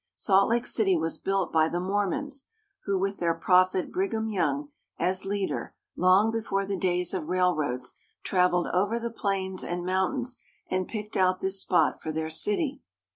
Salt Lake City was built by the Mormons, who, with their prophet Brigham Young as leader, long before the days of railroads, traveled over the plains and mountains, and picked out this spot for their city.